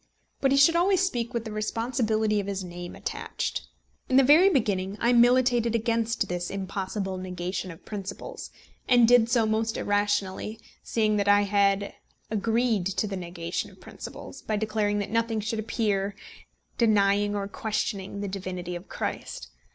But he should always speak with the responsibility of his name attached. In the very beginning I militated against this impossible negation of principles, and did so most irrationally, seeing that I had agreed to the negation of principles, by declaring that nothing should appear denying or questioning the divinity of Christ.